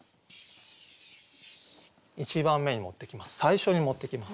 １番目に持ってきます。